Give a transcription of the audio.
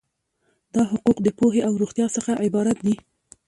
دا حقوق د پوهې او روغتیا څخه عبارت دي.